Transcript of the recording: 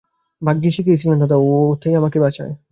ভাগ্যি শিখিয়েছিলে দাদা, ওতেই আমাকে বাঁচায়।